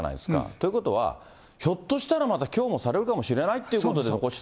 ということは、ひょっとしたら、またきょうもされるかもしれないということで残してた。